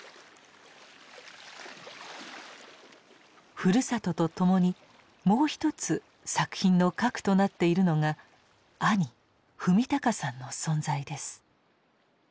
ふるさとと共にもう一つ作品の核となっているのが兄史敬さんの存在です。